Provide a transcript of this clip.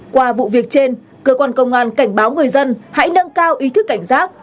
qua vụ việc trên cơ quan công an cảnh báo người dân hãy nâng cao ý thức cảnh giác